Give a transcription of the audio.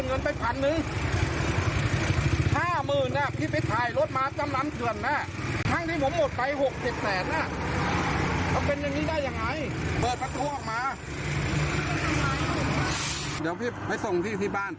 เอาเป็นอย่างงี้ได้ยังไงเปิดประตูออกมาเดี๋ยวพี่ไปส่งพี่ที่บ้าน